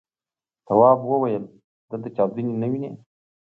تواب وويل: دلته چاودنې نه وینې.